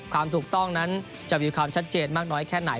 ความถูกต้องนั้นจะมีความชัดเจนมากน้อยแค่ไหน